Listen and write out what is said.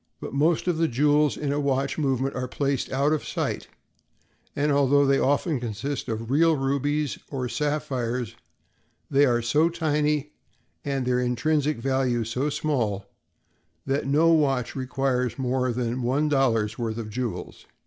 But most of the jewels in a watch movement are placed out of sight; and, although they often consist of real rubies or sapphires, they are so tiny and their intrinsic value so small that no watch requires more than one dollar's worth of jewels.